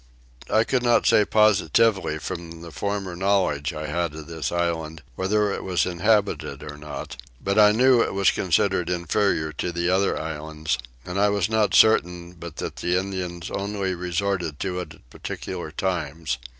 I could not say positively from the former knowledge I had of this island whether it was inhabited or not; but I knew it was considered inferior to the other islands, and I was not certain but that the Indians only resorted to it at particular times.